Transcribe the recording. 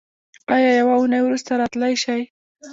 ایا یوه اونۍ وروسته راتلی شئ؟